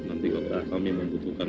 nanti kalau kami membutuhkan